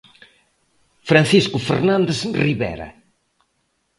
Francisco Fernández Rivera.